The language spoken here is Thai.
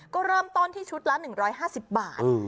ก็เริ่มต้นที่ชุดละ๑๕๐บาท